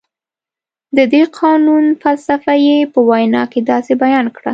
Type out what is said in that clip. د دې قانون فلسفه یې په وینا کې داسې بیان کړه.